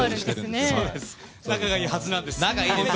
仲がいいはずなんです。